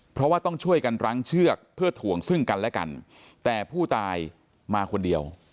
เพราะว่าต้องช่วยกันรั้งเชือกเพื่อถ่วงซึ่งกันและกันแต่ผู้ตายมาคนเดียว